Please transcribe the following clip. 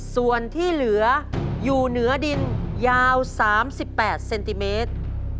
ส่วนที่เหลืออยู่เหนือดินยาว๓๘เซนติเมตร